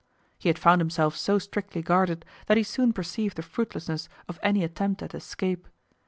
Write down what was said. He had found himself so strictly guarded that he soon perceived the fruitlessness of any attempt at escape.